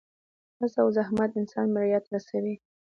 هڅه او زحمت انسان بریا ته رسوي.